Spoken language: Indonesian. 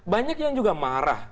banyak yang juga marah